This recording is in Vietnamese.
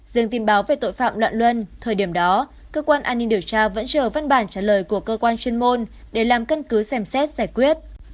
riêng tin báo về tội phạm loạn luân thời điểm đó cơ quan an ninh điều tra vẫn chờ văn bản trả lời của cơ quan chuyên môn để làm căn cứ xem xét giải quyết